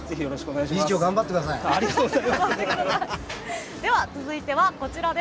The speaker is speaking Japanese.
理事長頑張ってください。